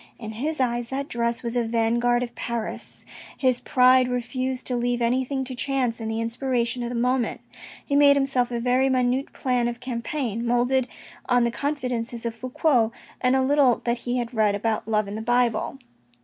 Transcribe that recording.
In his eyes, that dress was a vanguard of Paris. His pride refused to leave anything to chance and the inspiration of the moment. He made himself a very minute plan of campaign, moulded on the confidences of Fouque, and a little that he had read about love in the Bible.